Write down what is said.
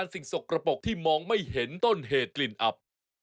สิ่งสกระปกที่มองไม่เห็นต้นเหตุกลิ่นอับ